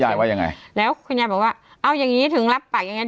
ว่ายังไงแล้วคุณยายบอกว่าเอาอย่างงี้ถึงรับปากอย่างเงี